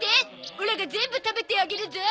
オラが全部食べてあげるゾ！